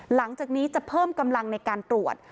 หลังจากนี้จะเพิ่มกำลังในการตรวจ